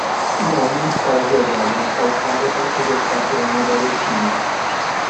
Um homem está ajoelhado na calçada para conversar com uma garotinha.